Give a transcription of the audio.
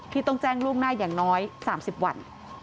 ต้องแจ้งล่วงหน้าอย่างน้อย๓๐วัน